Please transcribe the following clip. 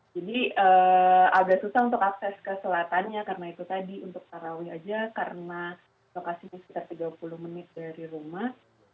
jadi agak susah untuk akses ke selatannya karena itu tadi untuk taraweh aja karena lokasinya sekitar tiga puluh menit dari rumah